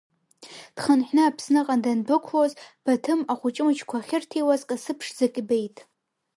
Дхынҳәны Аԥсныҟа дандәықәлоз, Баҭым ахәҷы-мыҷқәа ахьырҭиуаз касы ԥшӡак ибеит.